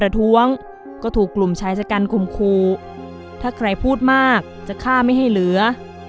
ถ้าใครพูดมากจะฆ่าไม่ให้เหลือ